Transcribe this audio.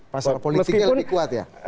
masalah politiknya lebih kuat ya